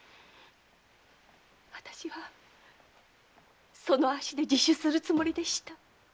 私はその足で自首するつもりでした。